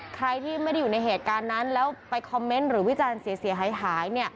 ใครที่ไม่ได้อยู่ในเหตุการณ์นั้นแล้วไปคอมเมนต์หรือวิจารณ์เสียหาย